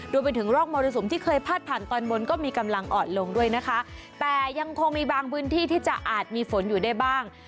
รวมไปถึงร่องมรสุมที่เคยพาดผ่านตอนบนก็มีกำลังอ่อนลงด้วยนะคะแต่ยังคงมีบางพื้นที่ที่จะอาจมีฝนอยู่ได้บ้าง